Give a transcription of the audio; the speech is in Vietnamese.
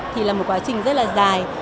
thì là một quá trình rất là dài